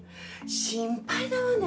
心配だわね。